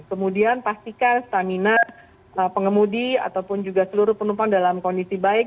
kemudian pastikan stamina pengemudi ataupun juga seluruh penumpang dalam kondisi baik